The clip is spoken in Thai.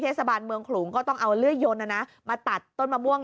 เทศบาลเมืองขลุงก็ต้องเอาเลื่อยยนมาตัดต้นมะม่วง